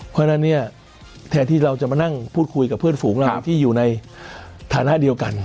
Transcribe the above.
เพราะฉะนั้นเนี่ยแทนที่เราจะมานั่งพูดคุยกับเพื่อนฝูงเราที่อยู่ในฐานะเดียวกัน